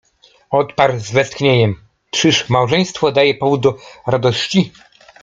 Odparł z westchnieniem: „Czyż małżeństwo daje powód do radości?”.